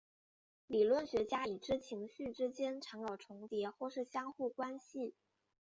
理论学家已知情绪之间常有重叠或是相互关系。